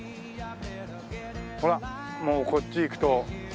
ほらもうこっち行くと。